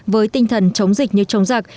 với tinh thần chống dịch như chống giặc